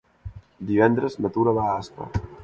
Divendres na Tura va a Aspa.